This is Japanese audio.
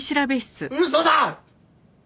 嘘だ！